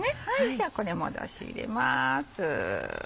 じゃあこれ戻し入れます。